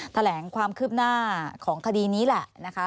แถลงความคืบหน้าของคดีนี้แหละนะคะ